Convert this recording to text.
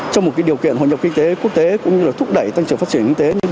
trong một điều kiện hội nhập kinh tế quốc tế cũng như là thúc đẩy tăng trưởng phát triển kinh tế